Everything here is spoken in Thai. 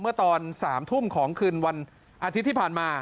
เมื่อตอน๓ทุ่มของคืนวันอาทิตย์ที่ผ่านมา